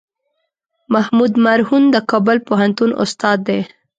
محمود مرهون د کابل پوهنتون استاد دی.